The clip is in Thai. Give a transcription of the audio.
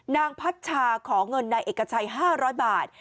นางพัชชาขอเงินนายเอกชัยห้าร้อยบาท